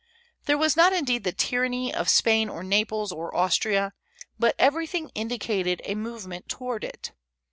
There was not indeed the tyranny of Spain or Naples or Austria; but everything indicated a movement toward it.